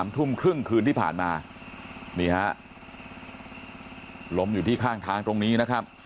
ทุ่มครึ่งคืนที่ผ่านมานี่ฮะล้มอยู่ที่ข้างทางตรงนี้นะครับ